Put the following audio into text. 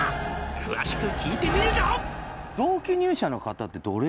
「詳しく聞いてみるぞ！」